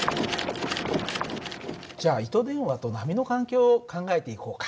じゃあ糸電話と波の関係を考えていこうか。